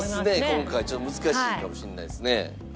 今回ちょっと難しいかもしれないですね。